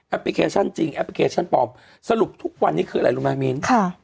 พลิเคชันจริงแอปพลิเคชันปลอมสรุปทุกวันนี้คืออะไรรู้ไหมมิ้นค่ะ